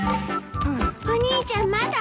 お兄ちゃんまだ？